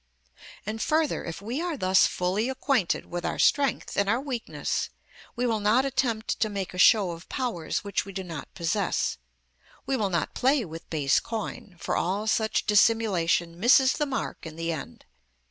And, further, if we are thus fully acquainted with our strength and our weakness, we will not attempt to make a show of powers which we do not possess; we will not play with base coin, for all such dissimulation misses the mark in the end.